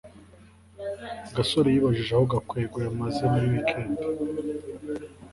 gasore yibajije aho gakwego yamaze muri wikendi